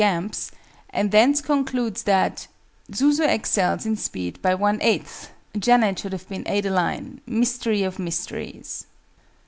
GAMP'S), and thence concludes that "Zuzu excels in speed by 1/8"! JANET should have been ADELINE, "mystery of mysteries!"